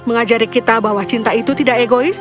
mengajari kita bahwa cinta itu tidak egois